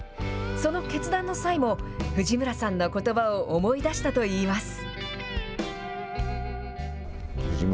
その決断の際も、藤村さんのことばを思い出したといいます。